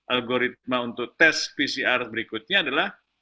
algoritma untuk tes pcr berikutnya adalah